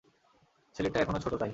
ছেলেটা এখনো ছোটো, তাই।